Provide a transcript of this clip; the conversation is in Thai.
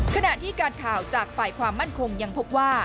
ขณะที่การข่าวจากฝ่ายความมั่นคงยังพบว่า